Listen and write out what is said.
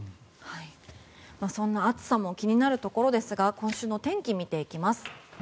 そんな暑さも気になるところですが今週の天気、見ていきます。